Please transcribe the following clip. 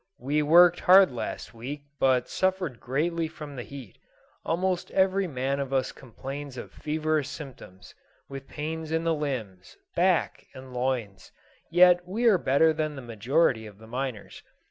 We worked hard last week, but suffered greatly from the heat; almost every man of us complains of feverish symptoms, with pains in the limbs, back, and loins, yet we are better than the majority of the miners.